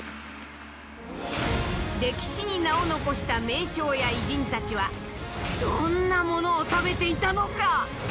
歴史に名を残した名将や偉人たちはどんなものを食べていたのか。